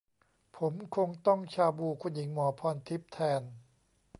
ผมคงต้องชาบู คุณหญิงหมอพรทิพย์ แทน